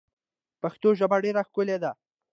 پښتو ژبه ډېره ښکلې ده.